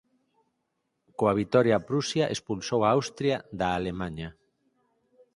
Coa vitoria a Prusia expulsou a Austria da Alemaña.